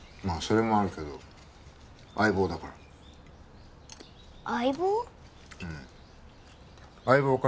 まあそれもあるけど相棒だから相棒？